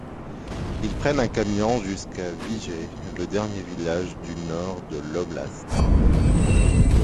Ils prennent un camion jusqu'à Vijaï, le dernier village du nord de l'oblast.